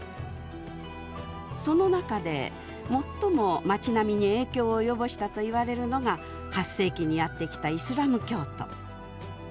その中で最も街並みに影響を及ぼしたといわれるのが８世紀にやってきたイスラム教徒。